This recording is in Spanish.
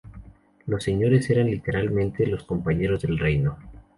Los Señores eran literalmente los compañeros del reino.